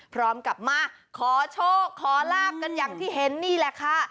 พร้อมกับมาขอโชคขอลาบกันอย่างที่เห็นนี่แหละค่ะ